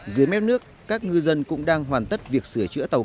dưới méo nước các ngư dân cũng đang hoàn tất việc sửa chữa tàu